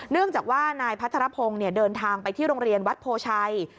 เนื่องจากว่านายพัทรพงศ์เดินทางไปที่โรงเรียนวัดโพชัย